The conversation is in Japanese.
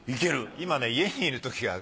今ね家にいるときが。